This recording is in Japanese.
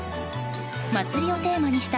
祭りをテーマにした